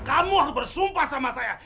kamu harus bersumpah sama saya